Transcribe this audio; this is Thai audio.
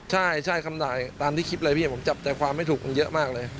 ใช่คำหน่ายตามที่คลิปเลยพี่ผมจับใจความไม่ถูกมันเยอะมากเลย